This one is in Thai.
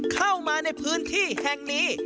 เข้ามาในพื้นที่แห่งนี้